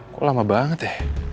kok lama banget ya